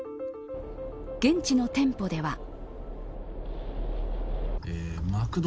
現地の店舗では。